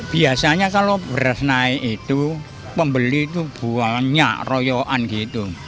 biasanya kalau beras naik itu pembeli itu banyak royoan gitu